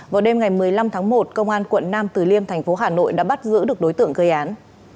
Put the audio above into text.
vào đêm ngày một mươi năm tháng một công an quận nam từ liêm thành phố hà nội đã bắt giữ được đối tượng gây án